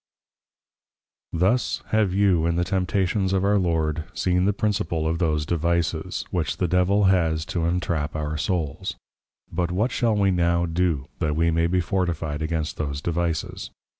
_ Thus have you in the Temptations of our Lord, seen the principal of those Devices, which the Devil has to Entrap our Souls. But what shall we now do, that we may be fortified against those Devices?